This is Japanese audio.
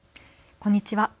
こんにちは。